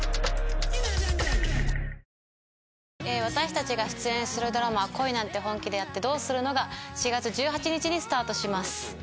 私たちが出演するドラマ『恋なんて、本気でやってどうするの？』が４月１８日にスタートします。